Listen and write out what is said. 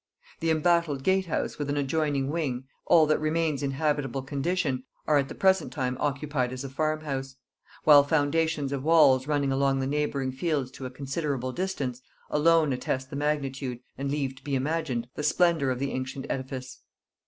The embattled gatehouse with an adjoining wing, all that remains in habitable condition, are at the present time occupied as a farm house; while foundations of walls running along the neighbouring fields to a considerable distance, alone attest the magnitude, and leave to be imagined the splendor, of the ancient edifice.